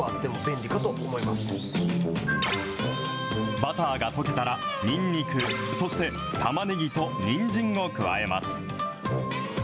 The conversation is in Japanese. バターが溶けたら、にんにく、そしてたまねぎとにんじんを加えます。